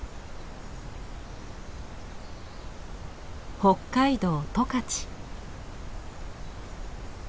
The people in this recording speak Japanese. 北海道十勝。